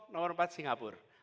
nomor empat singapura